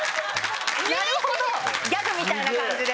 なるほどギャグみたいな感じで。